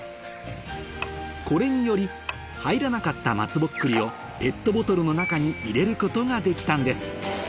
これにより入らなかった松ぼっくりをペットボトルの中に入れることができたんです